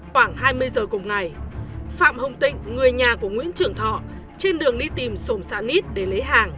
khoảng hai mươi h cùng ngày phạm hồng tịnh người nhà của nguyễn trưởng thọ trên đường đi tìm sổm xạ nít để lấy hàng